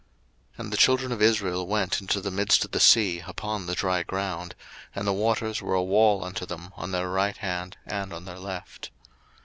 02:014:022 And the children of Israel went into the midst of the sea upon the dry ground: and the waters were a wall unto them on their right hand, and on their left.